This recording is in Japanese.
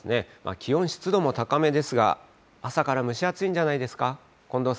気温、湿度も高めですが、朝から蒸し暑いんじゃないですか。